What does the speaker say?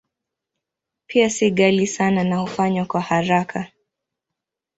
Pia si ghali sana na hufanywa kwa haraka.